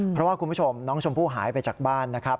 เพราะว่าคุณผู้ชมน้องชมพู่หายไปจากบ้านนะครับ